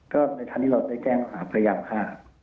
ก็ในทางที่เราได้แจ้งหาพยายามฆ่า